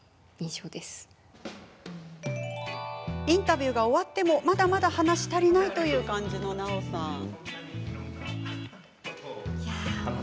インタビューが終わってもまだまだ話し足りないという感じの奈緒さん。